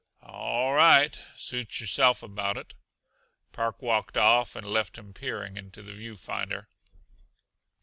"All right suit yourself about it." Park walked off and left him peering into the view finder.